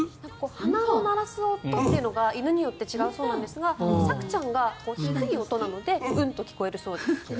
鼻を鳴らす音というのが犬によって違うそうなんですがさくちゃんが低い音なのでうんと聞こえるそうです。